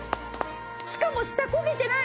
しかも下焦げてない！